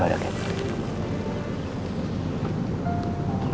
mau balik lagi kantor